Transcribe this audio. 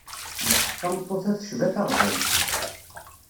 Tameṭṭut-a tecba taɣzalt.